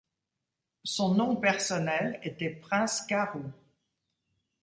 Son nom personnel était prince Karu.